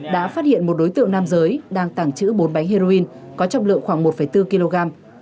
đã phát hiện một đối tượng nam giới đang tàng trữ bốn bánh heroin có trọng lượng khoảng một bốn kg